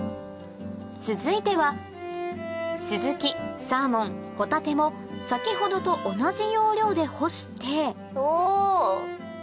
続いてはスズキサーモンホタテも先ほどと同じ要領で干してお！